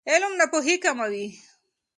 علم ناپوهي کموي.